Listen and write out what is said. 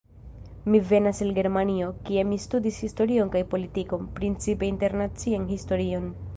Mi venas el Germanio, kie mi studis historion kaj politikon, principe internacian historion.